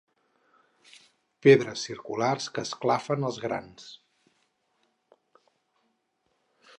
Pedres circulars que esclafen els grans.